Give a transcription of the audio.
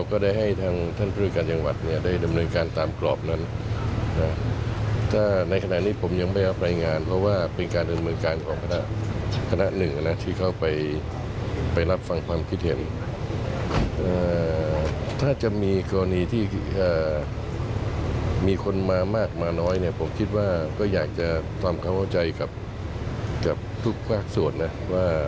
ก็อยากจะตามความเข้าใจกับทุกภาคส่วนนะว่า